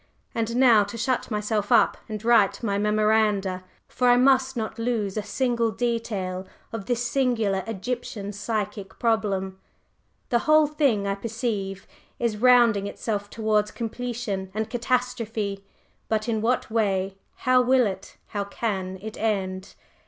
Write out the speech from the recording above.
And now to shut myself up and write my memoranda for I must not lose a single detail of this singular Egyptian psychic problem. The whole thing I perceive is rounding itself towards completion and catastrophe but in what way? How will it how can it end?"